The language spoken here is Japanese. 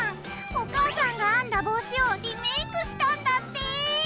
お母さんが編んだ帽子をリメイクしたんだって。